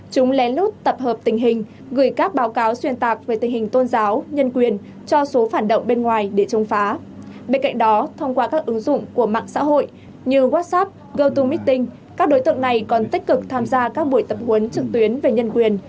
chúng lén lút tập hợp tình hình gửi các báo cáo xuyên tạp về tình hình tôn giáo nhân quyền cho số phản động bên ngoài để trông phá bên cạnh đó thông qua các ứng dụng của mạng xã hội như whatsapp gotomeeting các đối tượng này còn tích cực tham gia các buổi tập huấn trực tuyến về nhân quyền